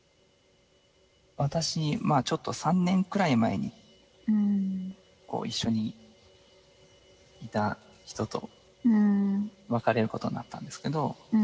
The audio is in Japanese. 私ちょっと３年くらい前に一緒にいた人と別れることになったんですけど。